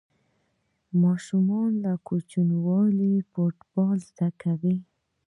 ماشومان له کوچنیوالي فوټبال زده کوي.